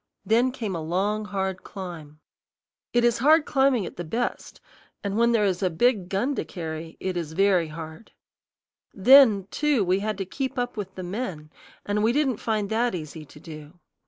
Then came a long, hard climb. It is hard climbing at the best, and when there is a big gun to carry, it is very hard. Then too, we had to keep up with the men, and we didn't find that easy to do.